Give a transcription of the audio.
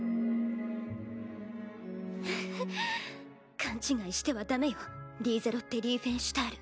勘違いしてはダメよリーゼロッテ・リーフェンシュタール。